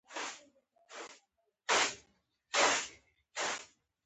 ځینې محصلین د ازموینو پر مهال بې خوبه کېږي.